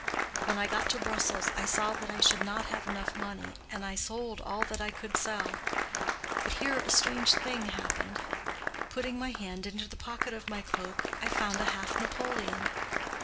When I got to Brussels I saw that I should not have enough money, and I sold all that I could sell; but here a strange thing happened. Putting my hand into the pocket of my cloak, I found a half napoleon.